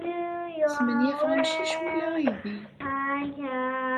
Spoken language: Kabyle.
Smenyafeɣ amcic wala aydi.